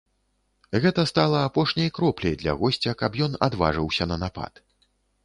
Гэта стала апошняй кропляй для госця, каб ён адважыўся на напад.